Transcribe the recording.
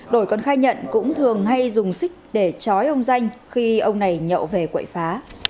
đổi còn khai nhận cũng thường hay dùng xích để chói ông danh khi ông này nhậu về quậy phá